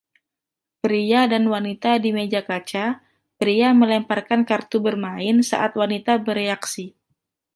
Pria dan wanita di meja kaca, pria melemparkan kartu bermain saat wanita bereaksi.